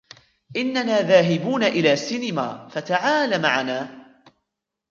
اننا ذاهبون إلى سينما ، فتعال معنا.